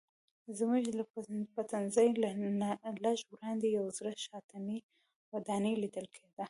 زموږ له پټنځي نه لږ وړاندې یوه زړه شانتې ودانۍ لیدل کیده.